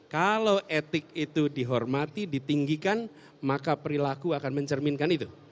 kalau etik itu dihormati ditinggikan maka perilaku akan mencerminkan itu